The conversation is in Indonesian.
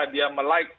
dia melakukan itu